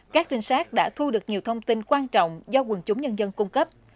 các trinh sát đã thu được nhiều thông tin quan trọng do quần chúng nhân dân cung cấp